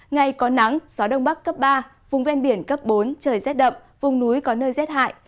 ngày có nắng gió đông bắc cấp ba vùng ven biển cấp bốn trời rét đậm vùng núi có nơi rét hại